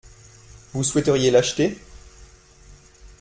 Vous souhaiteriez l’acheter ?